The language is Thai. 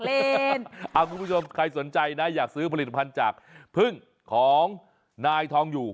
คุณผู้ชมใครสนใจนะอยากซื้อผลิตภัณฑ์จากพึ่งของนายทองอยู่